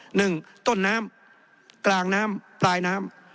หนึ่งต้นน้ำกลางน้ำปลายน้ำ